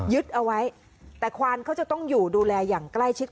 เอาไว้แต่ควานเขาจะต้องอยู่ดูแลอย่างใกล้ชิด